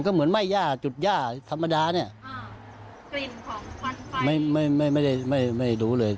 เหมือนมัยหญ้าจุดหญ้าธรรมดานี่